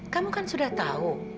kamu kan sudah tahu